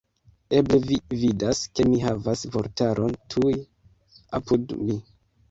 Eble vi vidas, ke mi havas vortaron tuje apud mi.